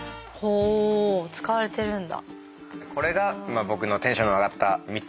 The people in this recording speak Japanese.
使われてるんだ。